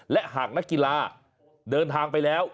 และหากนักกีฬาเดินทางไปแล้ว